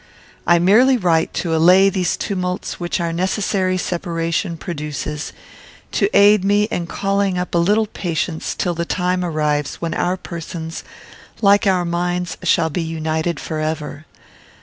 I merely write to allay these tumults which our necessary separation produces; to aid me in calling up a little patience till the time arrives when our persons, like our minds, shall be united forever.